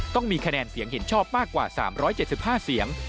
ต้องมีคะแนนเสียงเห็นชอบมากกว่า๓๗๕เสียง